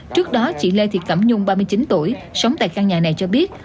trước đó chị lê thị cẩm nhung ba mươi chín tuổi sống tại căn nhà này cho biết